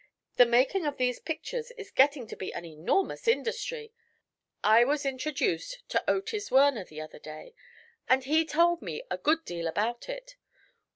The making of these pictures is getting to be an enormous industry. I was introduced to Otis Werner, the other day, and he told me a good deal about it.